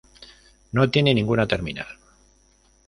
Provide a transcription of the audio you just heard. No tiene ninguna terminal.